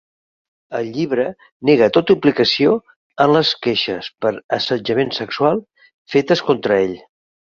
Al llibre, nega tota implicació en les queixes per assetjament sexual fetes contra ell.